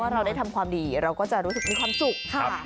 เราได้ทำความดีเราก็จะรู้สึกมีความสุข